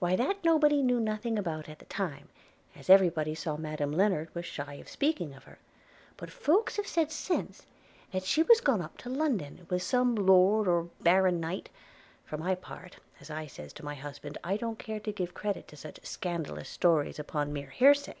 'Why that nobody knew nothing about at the time, as every body saw Madam Lennard was shy of speaking of her; but folks have said since, that she was gone up to London, with some Lord or Baron Knight; for my part, as I says to my husband, I don't care to give credit to such scandalous stories upon mere hearsay.